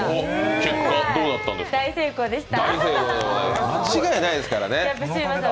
結果、大成功でした。